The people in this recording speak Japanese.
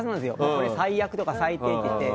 これ、最悪！とか最低！って言って。